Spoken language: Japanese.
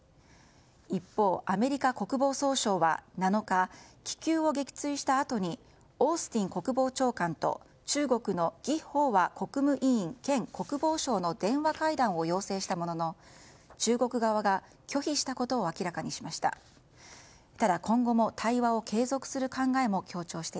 一方、アメリカ国防総省は７日気球を撃墜したあとにオースティン国防長官と中国のギ・ホウワ国務委員兼国防相の電話会談を要請したものの中国側が拒否したことを明らかにしました。